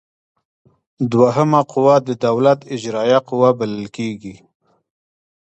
دوهمه قوه د دولت اجراییه قوه بلل کیږي.